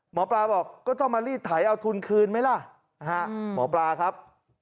หมอปลาบอกก็ต้องมารีดไถเอาทุนคืนไหมล่ะหมอปลาครับ